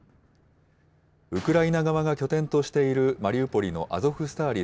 ウクライナ側が拠点としているマリウポリのアゾフスターリ